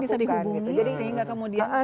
jadi kamu bisa dihubungi sehingga kemudian